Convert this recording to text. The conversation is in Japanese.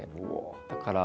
だから